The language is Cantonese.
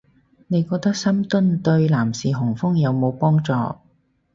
你覺得深蹲對男士雄風有冇幫助